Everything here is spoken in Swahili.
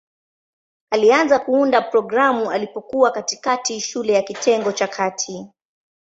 Alianza kuunda programu alipokuwa katikati shule ya kitengo cha kati.